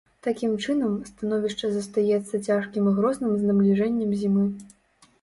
Такім чынам, становішча застаецца цяжкім і грозным з набліжэннем зімы.